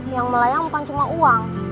yang melayang bukan cuma uang